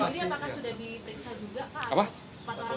pak tari sudah diperiksa juga pak